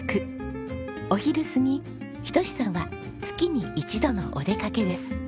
お昼過ぎ仁さんは月に一度のお出かけです。